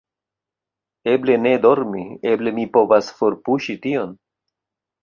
Eble ne dormi, eble mi povas forpuŝi tion…